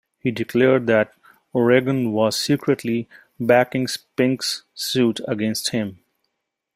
He declared that O'Regan was secretly backing Spink's suit against him.